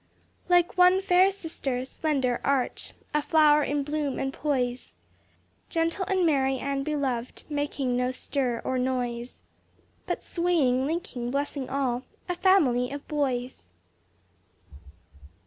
Like one fair sister, slender, arch, A flower in bloom and poise, Gentle and merry and beloved, Making no stir or noise, But swaying, linking, blessing all A family of boys.